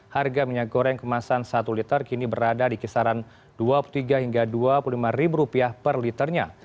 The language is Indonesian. harga minyak goreng kemasan satu liter kini berada di kisaran rp dua puluh tiga hingga rp dua puluh lima per liternya